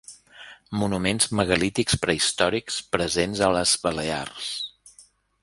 Monuments megalítics prehistòrics, presents a les Balears.